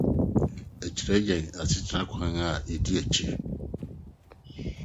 Ɛkyerɛ yɛn asetra kwan a yedi akyi.